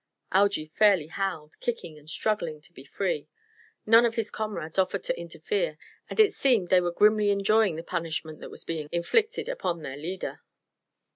Algy fairly howled, kicking and struggling to be free. None of his comrades offered to interfere and it seemed they were grimly enjoying the punishment that was being; inflicted upon their leader.